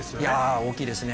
大きいですね。